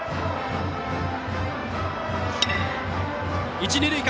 一、二塁間。